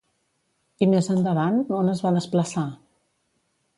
I més endavant, on es va desplaçar?